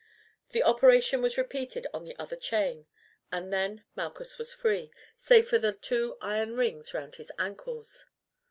The operation was repeated on the other chain, and then Malchus was free, save for the two iron rings around his ankles.